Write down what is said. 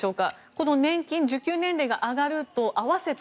この年金受給年齢が上がるのに合わせて